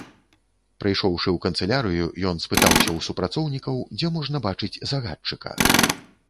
Прыйшоўшы ў канцылярыю, ён спытаўся ў супрацоўнікаў, дзе можна бачыць загадчыка.